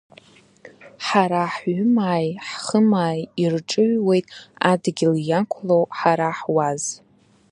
Ҳара ҳҩымааи, ҳхымааи ирҿыҩуеит адгьыл иақәлоу ҳара ҳуаз…